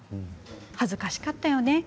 恥ずかしかったよね